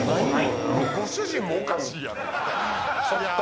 ご主人もおかしいやろいや